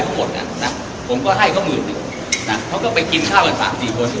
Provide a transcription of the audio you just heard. เขาหมดน่ะนะผมก็ให้ก็หมืดหนึ่งนะเขาก็ไปกินข้าวกันสามสี่ผู้